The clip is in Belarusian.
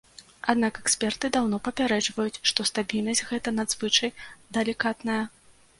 Аднак эксперты даўно папярэджваюць, што стабільнасць гэта надзвычай далікатная.